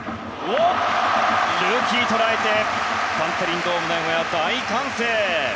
ルーキー、捉えてバンテリンドームナゴヤが大歓声。